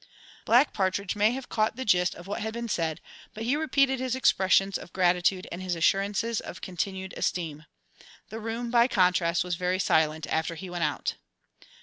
Black Partridge may have caught the gist of what had been said, but he repeated his expressions of gratitude and his assurances of continued esteem. The room, by contrast, was very silent after he went out.